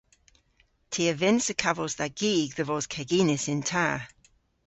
Ty a vynnsa kavos dha gig dhe vos keginys yn ta.